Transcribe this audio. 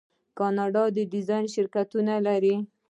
کاناډا د ډیزاین شرکتونه لري.